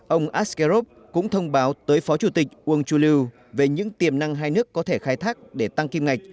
ông askerob cũng thông báo tới phó chủ tịch ung chuliu về những tiềm năng hai nước có thể khai thác để tăng kim ngạch